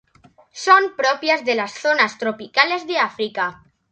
Son propias de las zonas tropicales de África.